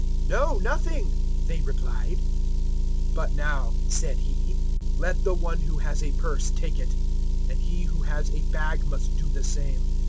"No, nothing," they replied. 022:036 "But now," said He, "let the one who has a purse take it, and he who has a bag must do the same.